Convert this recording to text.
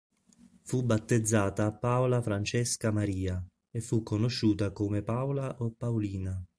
Fu battezzata Paola Francesca Maria e fu conosciuta come Paola o Paolina.